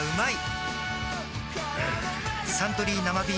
「サントリー生ビール」